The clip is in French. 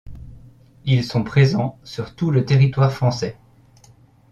Ils sont présents sur tout le territoire français.